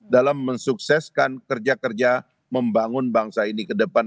dalam mensukseskan kerja kerja membangun bangsa ini ke depan